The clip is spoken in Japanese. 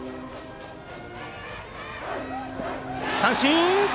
三振！